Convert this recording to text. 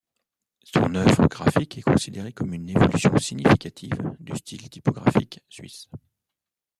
Son œuvre graphique est considérée comme une évolution significative du style typographique suisse.